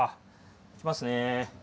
いきますね。